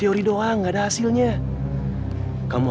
bos bos mau kemana